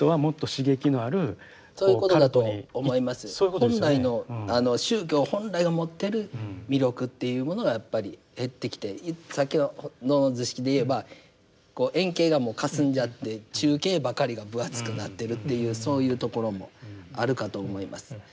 本来の宗教本来が持ってる魅力っていうものがやっぱり減ってきてさっきの図式で言えばこう遠景がもうかすんじゃって中景ばかりが分厚くなってるっていうそういうところもあるかと思います。